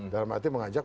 dalam arti mengajak